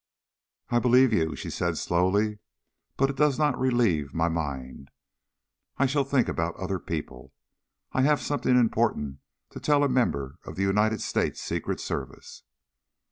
"I believe you," she said slowly, "but it does not relieve my mind. I shall think about other people. I have something important to tell a member of the United States Secret Service."